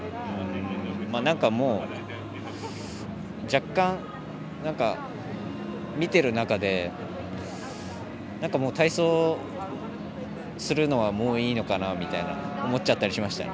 なんかもう、若干見てる中で体操するのはもういいのかなみたいな思っちゃったりしました。